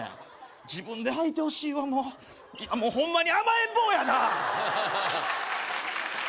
自分ではいてほしいわもうホンマに甘えん坊やな！